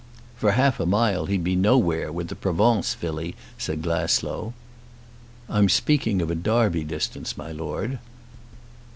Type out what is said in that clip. "For half a mile he'd be nowhere with the Provence filly," said Glasslough. "I'm speaking of a Derby distance, my Lord."